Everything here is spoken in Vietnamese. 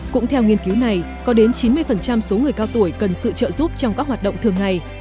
cũng theo nghiên cứu này có đến chín mươi số người cao tuổi cần sự trợ giúp trong các hoạt động thường ngày